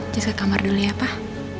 jis ke kamar dulu ya pak